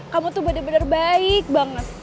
kamu tuh bener bener baik banget